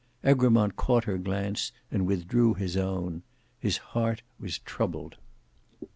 Egremont caught her glance and withdrew his own; his heart was troubled.